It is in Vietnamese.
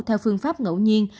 theo phương pháp ngẫu nhiên